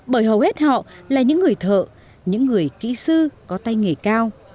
bởi hầu hết họ là những người thợ những người kỹ sư có tay nghề cao